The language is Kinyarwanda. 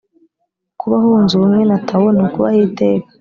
kubaho wunze ubumwe na tao ni ukubaho iteka.